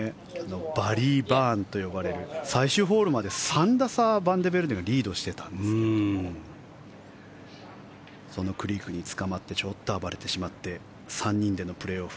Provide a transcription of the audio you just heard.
バリー・バーンと呼ばれる最終ホールまで３打差バンデベルデがリードしていたんですがクリークにつかまってちょっと暴れてしまって３人でのプレーオフ。